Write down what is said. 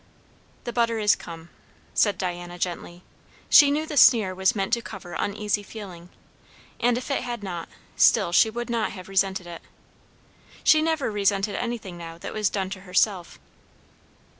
"The butter is come," said Diana gently. She knew the sneer was meant to cover uneasy feeling; and if it had not, still she would not have resented it. She never resented anything now that was done to herself.